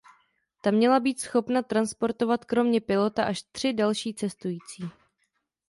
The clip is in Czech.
Ta měla být schopna transportovat kromě pilota až tři další cestující.